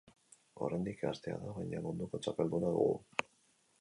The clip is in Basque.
Oraindik gaztea da, baina munduko txapelduna dugu.